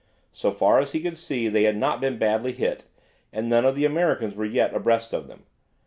So far as he could see they had not been badly hit, and none of the Americans were yet abreast of them.